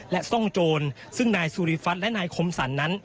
และซ่องโจรซึ่งนายสุริฟัฒนและนายคมสรรนั้น